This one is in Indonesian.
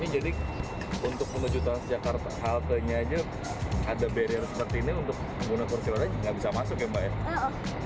jadi untuk menuju transjakarta haltenya aja ada barrier seperti ini untuk pengguna kursi roda nggak bisa masuk ya mbak eci